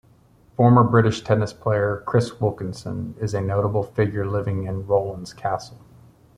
Former British tennis player Chris Wilkinson is a notable figure living in Rowland's Castle.